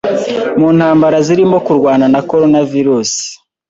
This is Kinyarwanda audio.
mu ntambara zirimo kurwana na coronavirus.